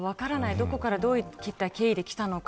どこからどういった経緯できたのか。